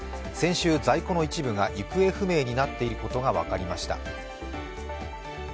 先週、在庫の一部が行方不明になっていることが分かりました。